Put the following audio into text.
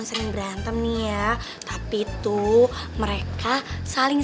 sampai jumpa lagi